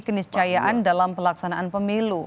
keniscayaan dalam pelaksanaan pemilu